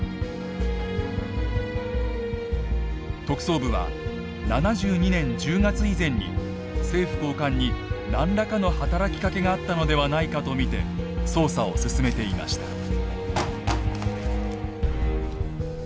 特捜部は７２年１０月以前に政府高官に何らかの働きかけがあったのではないかと見て捜査を進めていました。